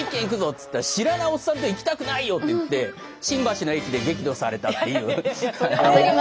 っつったら「知らないおっさんと行きたくないよ！」って言って新橋の駅で激怒されたっていう。